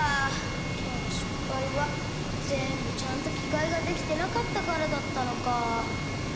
きょうのしっぱいはぜんぶちゃんときがえができてなかったからだったのか。